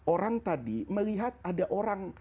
orang tadi melihat ada orang